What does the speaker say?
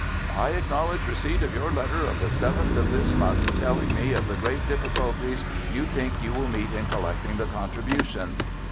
"I acknowledge receipt of your letter of the 7th of this month telling me of the great difficulties you think you will meet in collecting the contributions.